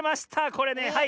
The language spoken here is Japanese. これねはい。